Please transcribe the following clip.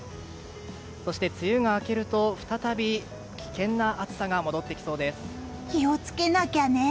そして梅雨が明けると、再び危険な暑さが戻ってきそうです。